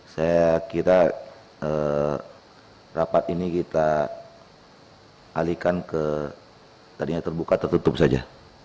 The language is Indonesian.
saya kira rapat ini kita alihkan ke tadinya terbuka tertutup saja